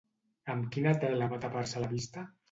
Amb quina tela va tapar-se la vista?